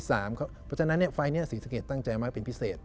เพราะฉะนั้นไฟล์นี้ศรีสะเกดตั้งใจมากเป็นพิเศษ